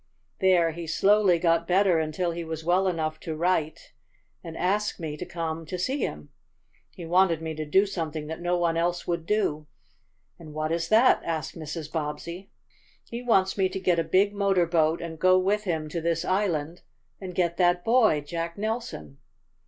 "There he slowly got better until he was well enough to write and ask me to come to see him. He wanted me to do something that no one else would do." "And what is that?" asked Mrs. Bobbsey. "He wants me to get a big motor boat, and go with him to this island and get that boy, Jack Nelson."